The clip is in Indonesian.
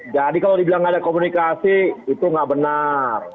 jadi kalau dibilang gak ada komunikasi itu gak benar